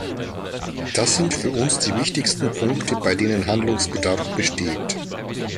Das sind für uns die wichtigsten Punkte, bei denen Handlungsbedarf besteht.